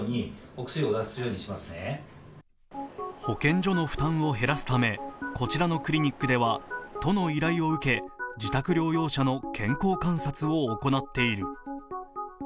保健所の負担を減らすためこちらのクリニックでは都の依頼を受け、自宅療養者の健康観察を行っている。